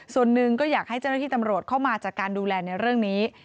ส่วนหนึ่งก็อยากให้เจ้าหน้าที่ตำรวจเข้ามาจากการดูแลในเรื่องนี้